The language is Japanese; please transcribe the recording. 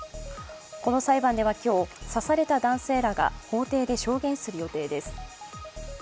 この裁判では今日、刺された男性らが法廷で証言する予定です。